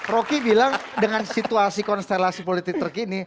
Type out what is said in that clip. rocky bilang dengan situasi konstelasi politik terkini